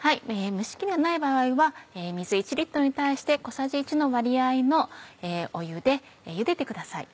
蒸し器がない場合は水１に対して小さじ１の割合の湯でゆでてください。